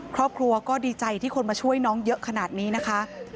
ครอบครัวก็ดีใจที่คนมาช่วยน้องเยอะขนาดนี้นะคะ